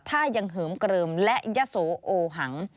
ถ้ายังเหิมเกลิมและยะโสโอหัง